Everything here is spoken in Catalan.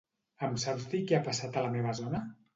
Em saps dir què ha passat a la meva zona?